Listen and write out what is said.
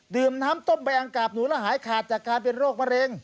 น้ำต้มใบอังกาบหนูแล้วหายขาดจากการเป็นโรคมะเร็ง